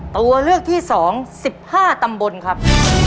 ตัวเลือกที่สองสิบห้าตัมบลครับ